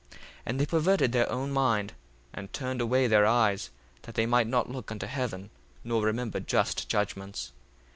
1:9 And they perverted their own mind, and turned away their eyes, that they might not look unto heaven, nor remember just judgments.